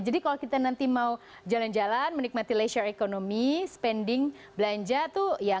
jadi kalau kita nanti mau jalan jalan menikmati leisure economy spending belanja tuh ya gak harus keluar keluar